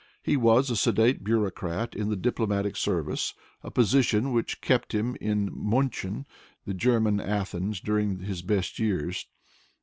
He was a sedate bureaucrat in the diplomatic service, a position which kept him in Muenchen, the German Athens, dur ing his best years.